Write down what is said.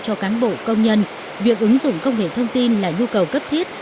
cho cán bộ công nhân việc ứng dụng công nghệ thông tin là nhu cầu cấp thiết